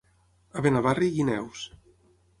A Benavarri, guineus.